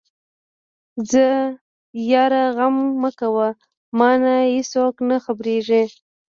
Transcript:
يره غم مکوه مانه ايڅوک نه خبرېږي.